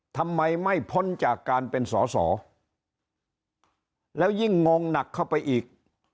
ทำไมไม่พ้นจากการเป็นสอสอแล้วยิ่งงงหนักเข้าไปอีก